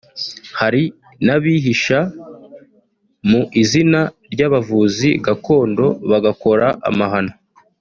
hari n’abihisha mu izina ry’abavuzi gakondo bagakora amahano